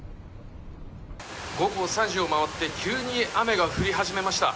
午後３時を回って急に雨が降り始めました。